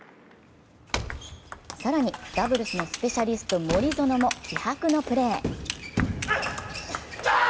更にダブルスのスペシャリスト・森薗も気迫のプレー。